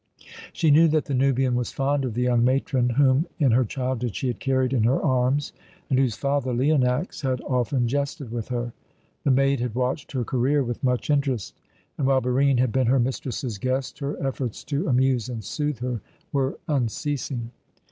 She knew that the Nubian was fond of the young matron, whom in her childhood she had carried in her arms, and whose father, Leonax, had often jested with her. The maid had watched her career with much interest, and while Barine had been her mistress's guest her efforts to amuse and soothe her were unceasing.